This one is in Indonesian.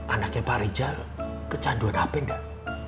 anaknya pak rizal kecanduan hp gak